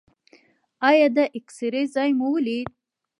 ایا د اکسرې ځای مو ولید؟